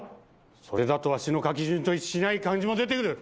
それだとわしの書き順と一致しない漢字も出てくる！